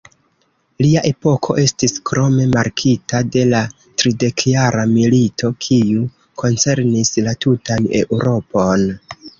Lia epoko estis krome markita de la Tridekjara milito, kiu koncernis la tutan Eŭropon.